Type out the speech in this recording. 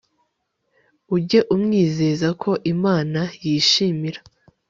ujye umwizeza ko imana yishimira